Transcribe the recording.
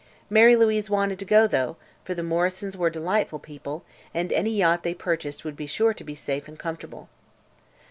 Mary Louise wanted to go, though, for the Morrisons were delightful people and any yacht they purchased would be sure to be safe and comfortable.